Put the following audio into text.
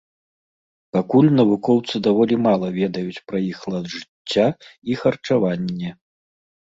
Пакуль навукоўцы даволі мала ведаюць пра іх лад жыцця і харчаванне.